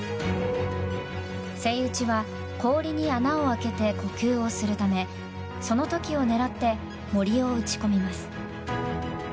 セイウチは氷に穴を開けて呼吸をするためその時を狙ってモリを打ち込みます。